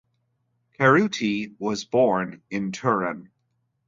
Cerutti was born in Turin.